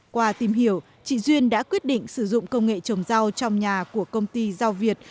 qua tìm hiểu chị duyên đã quyết định sử dụng công nghệ trồng rau trong nhà của công ty giao việt